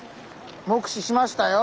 目視しましたよ。